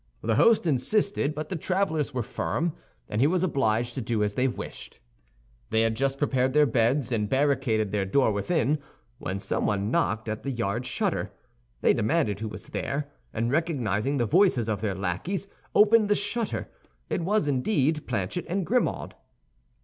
The host insisted; but the travelers were firm, and he was obliged to do as they wished. They had just prepared their beds and barricaded their door within, when someone knocked at the yard shutter; they demanded who was there, and recognizing the voices of their lackeys, opened the shutter. It was indeed Planchet and Grimaud.